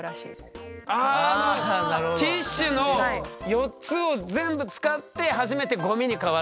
ティッシュの４つを全部使ってはじめてゴミに変わるんだ。